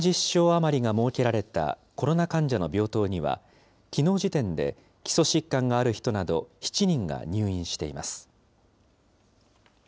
４０床余りが設けられたコロナ患者の病棟には、きのう時点で基礎疾患がある人など７人が入院しています。